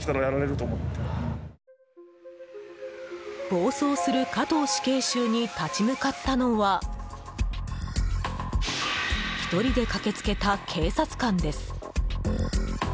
暴走する加藤死刑囚に立ち向かったのは１人で駆けつけた警察官です。